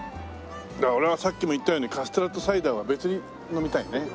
だから俺はさっきも言ったようにカステラとサイダーは別に飲みたいね。